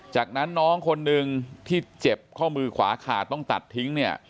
จากนั้นน้องคนหนึ่งที่เจ็บข้อมือขวาขาดต้องตัดทิ้งเนี่ย